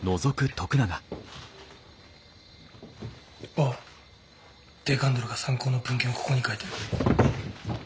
おいデカンドルが参考の文献をここに書いてある。